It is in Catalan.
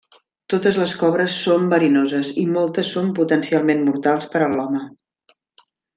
Totes les cobres són verinoses, i moltes són potencialment mortals per a l'home.